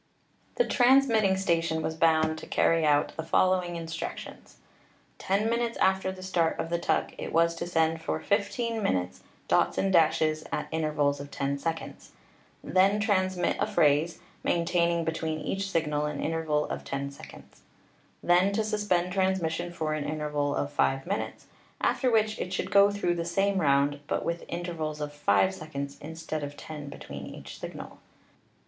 The transmitting station was bound to carry out the following instructions: Ten minutes after the start of 320 ELECTRICITY the tug it was to send for 15 minutes dots and dashes at intervals of 10 seconds; then transmit a phrase, maintain ing between each signal an interval of 10 seconds; then to suspend transmission for an interval of 5 minutes, after which it should go through the same round, but with in tervals of 5 seconds instead of 10 between each signal.